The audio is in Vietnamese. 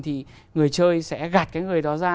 thì người chơi sẽ gạt cái người đó ra